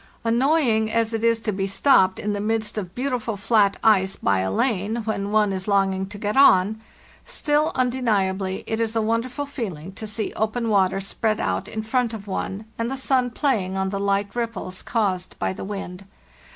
"Annoying as it is to be stopped in the midst of beautiful flat ice bya lane, when one is longing to get on, still, undeniably, it is a wonderful feeling to see open water spread out in front of one, and the sun playing on the light ripples caused by the wind.